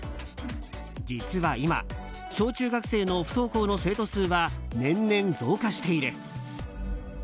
実は今、小中学校の不登校の生徒数は年々、増加している。